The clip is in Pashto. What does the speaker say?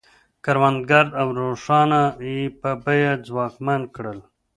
کروندګر او ښارونه یې په بیه ځواکمن کړل.